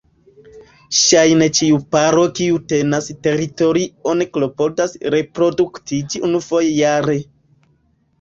Ŝajne ĉiu paro kiu tenas teritorion klopodas reproduktiĝi unufoje jare.